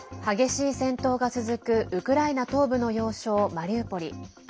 激しい戦闘が続くウクライナ東部の要衝マリウポリ。